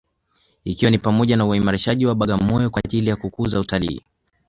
Ikiwa ni pamoja na uimarishaji wa Bagamoyo kwa ajili ya kukuza utalii